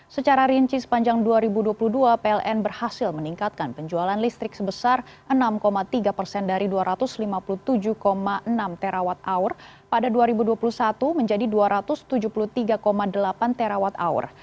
secara rinci sepanjang dua ribu dua puluh dua pln berhasil meningkatkan penjualan listrik sebesar enam tiga persen dari dua ratus lima puluh tujuh enam terawatt hour pada dua ribu dua puluh satu menjadi dua ratus tujuh puluh tiga delapan terawatt hour